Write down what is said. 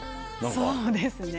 そうですね。